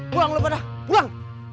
pulang lu pada pulang